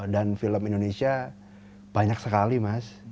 dan film indonesia banyak sekali mas